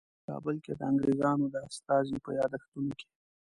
په کابل کې د انګریزانو د استازي په یادښتونو کې.